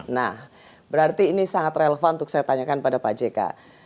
nah berarti ini sangat relevan untuk saya tanyakan pada pak jk